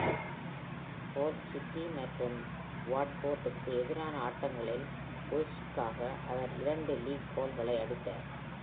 ஹல் சிட்டி மற்றும் வாட்ஃபோர்டுக்கு எதிரான ஆட்டங்களில் உல்வ்ஸ்க்காக அவர் இரண்டு லீக் கோல்களை அடித்தார்.